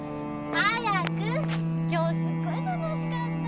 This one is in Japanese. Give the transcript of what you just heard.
今日すっごい楽しかったー。